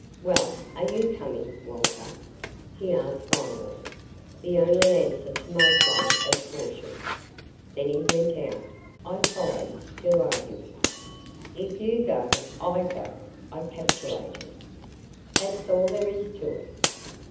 "Well are you coming, Walter?" he asked finally the only answer to my flood of caution. Then he went out. I followed, still arguing. "If YOU go, I go," I capitulated. "That's all there is to it."